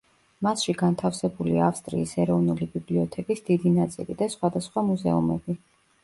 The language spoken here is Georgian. მასში განთავსებულია ავსტრიის ეროვნული ბიბლიოთეკის დიდი ნაწილი და სხვადასხვა მუზეუმები.